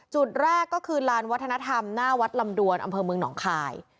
จุดแรกก็คือลานวัฒนธรรมหน้าวัดลำดวนอำเภอเมืองหนองคาย